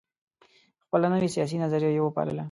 خپله نوي سیاسي نظریه یې وپالله.